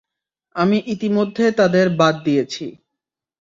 আমি ইতিমধ্যে তাদের বাদ দিয়েছি।